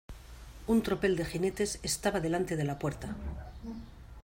un tropel de jinetes estaba delante de la puerta.